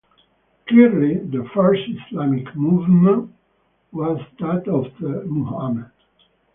Clearly, the First Islamic Movement was that of the Muhammed.